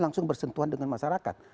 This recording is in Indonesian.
langsung bersentuhan dengan masyarakat